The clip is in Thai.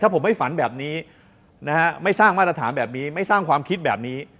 ผมไม่ฝันแบบนี้นะฮะไม่สร้างมาตรฐานแบบนี้ไม่สร้างความคิดแบบนี้